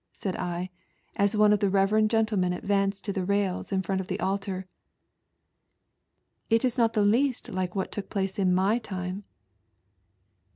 said I, as one of tha reverend gentlemen advanced to the rails in front of the altar. "It is not the least like what took place in my time